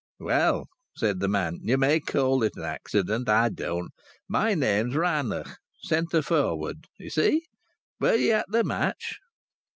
"Well," said the man, "you may call it an accident; I don't. My name's Rannoch; centre forward. Ye see? Were ye at the match?"